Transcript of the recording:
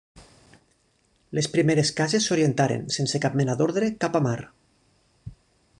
Les primeres cases s'orientaren, sense cap mena d'ordre, cap a mar.